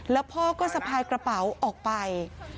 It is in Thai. แล้วพ่อก็สะพายกระเป๋าออกไป